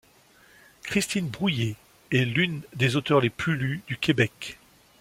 Chrystine Brouillet est l'une des auteurs les plus lues du Québec.